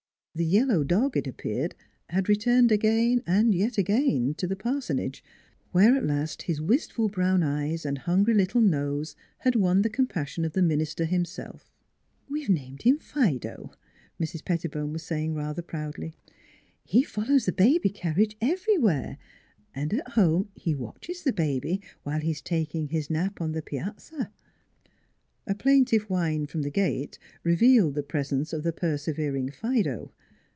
The yellow dog, it appeared, had returned again and yet again to the parsonage, where at last his wistful brown eyes and hungry little nose had won the com passion of the minister himself. " We have named him Fido," Mrs. Pettibone was saying, rather proudly. " He follows the baby carriage everywhere, and at home he watches the baby, while he is taking his nap on the piazza." A plaintive whine from the gate revealed the presence of the persevering Fido.